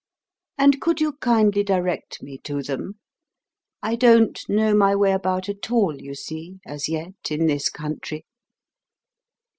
"And could you kindly direct me to them? I don't know my way about at all, you see, as yet, in this country."